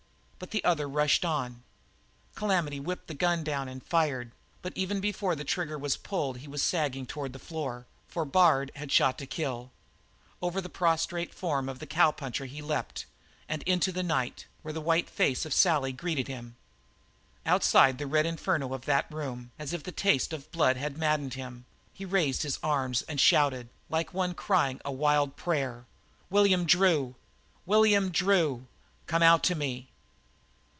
But the other rushed on. Calamity whipped down the gun and fired, but even before the trigger was pulled he was sagging toward the floor, for Bard had shot to kill. Over the prostrate form of the cowpuncher he leaped, and into the night, where the white face of Sally greeted him. Outside the red inferno of that room, as if the taste of blood had maddened him, he raised his arms and shouted, like one crying a wild prayer: "William Drew! William Drew! Come out to me!"